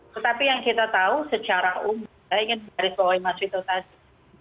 tetapi yang kita tahu secara umum saya ingin menggarisbawahi mas vito tadi